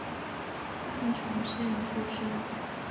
三重县出身。